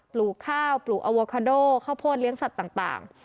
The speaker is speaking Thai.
ลูกข้าวปลูกอโวคาโดข้าวโพดเลี้ยงสัตว์ต่าง